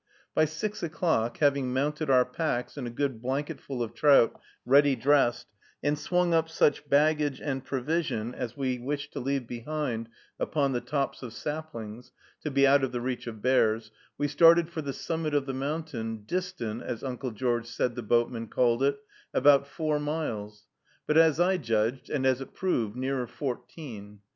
By six o'clock, having mounted our packs and a good blanketful of trout, ready dressed, and swung up such baggage and provision as we wished to leave behind upon the tops of saplings, to be out of the reach of bears, we started for the summit of the mountain, distant, as Uncle George said the boatmen called it, about four miles, but as I judged, and as it proved, nearer fourteen.